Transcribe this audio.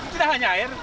tidak hanya air